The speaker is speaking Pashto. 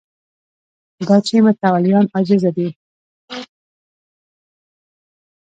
دا چې متولیان عاجزه دي